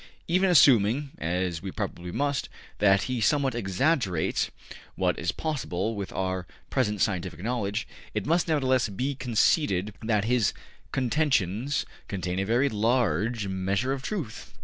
Even assuming, as we probably must, that he somewhat exaggerates what is possible with our present scientific knowledge, it must nevertheless be conceded that his contentions contain a very large measure of truth.